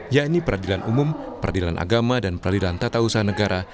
yakni peradilan umum peradilan agama dan peradilan tata usaha negara